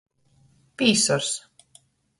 Pīsors.